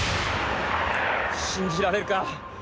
信じられるか。